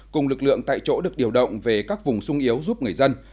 cùng lực lượng tại chỗ được điều động về các vùng sung yếu giúp người dân